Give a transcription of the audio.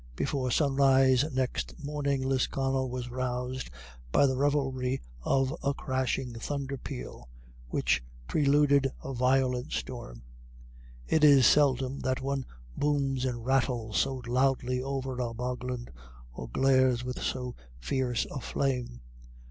Before sunrise next morning Lisconnel was roused by the réveille of a crashing thunder peal, which preluded a violent storm. It is seldom that one booms and rattles so loudly over our bogland, or glares with so fierce a flame.